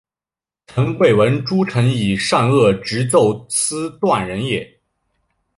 朕未闻诸臣以善恶直奏斯断人也！